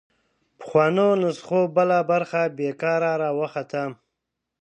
پخوانو نسخو بله برخه بېکاره راوخته